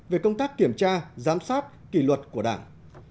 về công tác kiểm tra giám sát kỷ luật của đảng